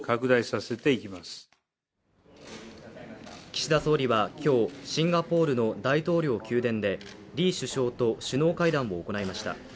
岸田総理は今日、シンガポールの大統領宮殿でリー首相と首脳会議を行いました。